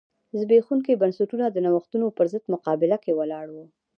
زبېښونکي بنسټونه د نوښتونو پرضد مقابله کې ولاړ و.